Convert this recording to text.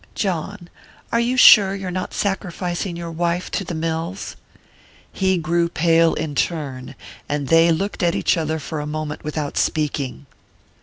"John are you sure you're not sacrificing your wife to the mills?" He grew pale in turn, and they looked at each other for a moment without speaking.